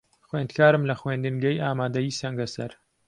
خوێندکارم لە خوێندنگەی ئامادەیی سەنگەسەر.